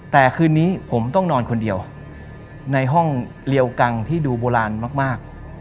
แต่คืนนี้ผมต้องนอนคนเดียวในห้องเรียวกังที่ดูโบราณมาก